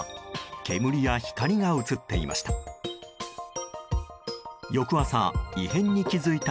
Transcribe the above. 煙や光が映っていました。